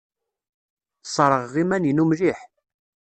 Sserɣeɣ iman-inu mliḥ.